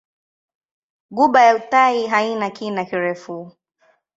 Ghuba ya Uthai haina kina kirefu.